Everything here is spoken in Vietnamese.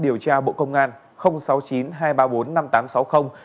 điều tra bộ công an sáu mươi chín hai trăm ba mươi bốn năm nghìn tám trăm sáu mươi